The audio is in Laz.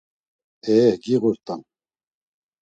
Ehe giğurt̆an.